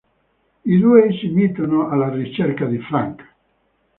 I due si mettono alla ricerca di Frank.